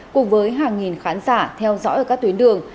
cùng với hàng nghìn khán giả theo dõi ở các tuyến đường